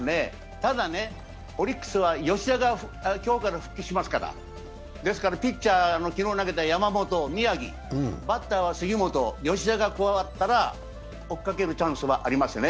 ただ、オリックスは吉田が今日から復活しますから、ですからピッチャー、昨日投げた山本、宮城、バッターは杉本、吉田が追っかけるチャンスはありますね。